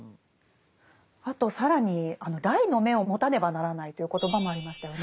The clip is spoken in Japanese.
あと更に癩の眼を持たねばならないという言葉もありましたよね。